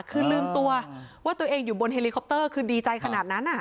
คือลืมตัวว่าตัวเองอยู่บนเฮลิคอปเตอร์คือดีใจขนาดนั้น